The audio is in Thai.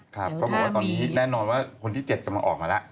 ก็บอกว่าตอนนี้แน่นอนว่าคนที่๗กำลังออกมาแล้ว